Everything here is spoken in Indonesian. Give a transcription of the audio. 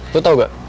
lo tau ga